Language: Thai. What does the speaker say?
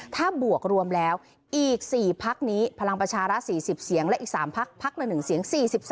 ถ้าบวกรวมแล้วอีก๔พักนี้พลังประชารัฐ๔๐เสียงและอีก๓พักพักละ๑เสียง๔๒